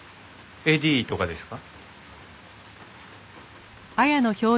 ＡＤとかですか？